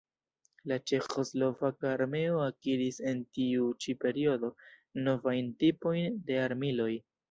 La ĉeĥoslovaka armeo akiris en tiu ĉi periodo novajn tipojn de armiloj.